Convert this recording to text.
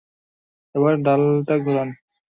এবার, ডালাটা ঘোরান!